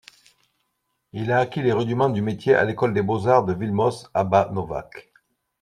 Il a acquis les rudiments du métier à l’école des beaux-arts de Vilmos Aba-Novák.